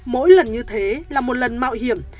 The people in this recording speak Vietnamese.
mỗi lần như thế là một lần mạo hiểm